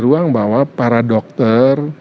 ruang bahwa para dokter